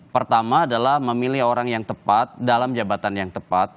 pertama adalah memilih orang yang tepat dalam jabatan yang tepat